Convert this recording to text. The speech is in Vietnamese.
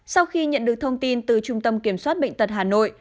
sau khi nhận được thông tin từ trung tâm kiểm soát bệnh tật hà nội